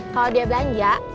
kalau dia belanja